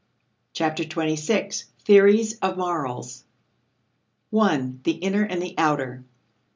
Chapter Twenty six: Theories of Morals 1. The Inner and the Outer.